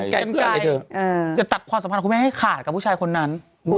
อย่าตัดความสำคัญของคุณแม่ให้ขาดกับผู้ชายคนนั้น